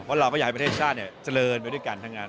เพราะเราก็อยากให้ประเทศชาติเจริญไปด้วยกันทั้งนั้น